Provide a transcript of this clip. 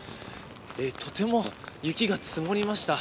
とても雪が積もりました。